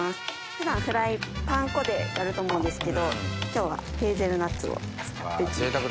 普段パン粉でやると思うんですけど今日はヘーゼルナッツを使って。